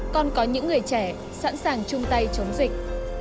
còn có những người trẻ sẵn sàng chung tay chống dịch